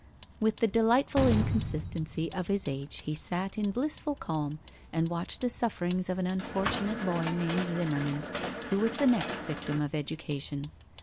With the delightful inconsistency of his age he sat in blissful calm, and watched the sufferings of an unfortunate boy named Zimmerman, who was the next victim of education.